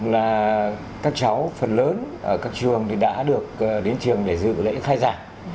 là các cháu phần lớn ở các trường thì đã được đến trường để dự lễ khai giảng